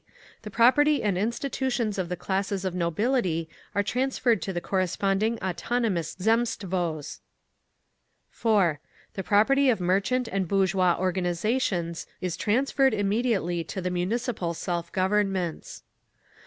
The property and institutions of the classes of nobility are transferred to the corresponding autonomous Zemstvos. 4. The property of merchant and bourgeois organisations is transferred immediately to the Municipal Self Governments.